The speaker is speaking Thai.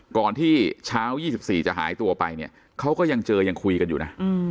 ก่อนที่เช้า๒๔จะหายตัวไปเนี่ยเขาก็ยังเจอยังคุยกันอยู่นะ